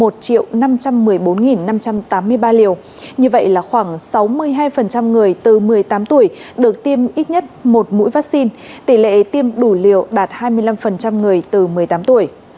như vậy là khoảng sáu mươi hai người từ một mươi tám tuổi được tiêm ít nhất một mũi vaccine tỷ lệ tiêm đủ liều đạt hai mươi năm người từ một mươi tám tuổi